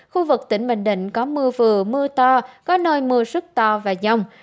khu vực tỉnh bình định có mưa vừa mưa to có nơi mưa rất to và dông